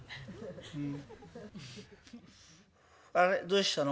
あれどうしたの？